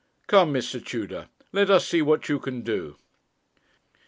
Come, Mr. Tudor, let us see what you can do.'